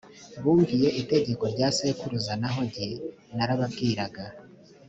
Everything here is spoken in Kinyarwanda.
bumviye itegeko rya sekuruza naho jye narababwiraga